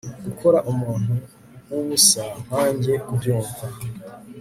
gukora umuntu wubusa nkanjye kubyumva